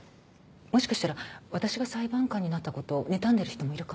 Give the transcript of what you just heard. もしかしたら私が裁判官になった事を妬んでる人もいるかも。